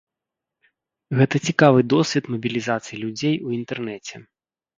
Гэта цікавы досвед мабілізацыі людзей у інтэрнэце.